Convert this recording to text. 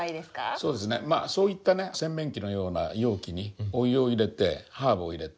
そういった洗面器のような容器にお湯を入れてハーブを入れて。